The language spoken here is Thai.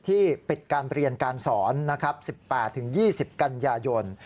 ที่ปิดการเรียนการสอน๑๘ถึง๒๐กัญญาโยน